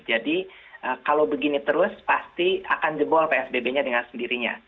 jadi kalau begini terus pasti akan jebol psbb nya dengan sendirinya